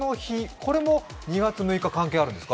これも２月６日、関係あるんですか。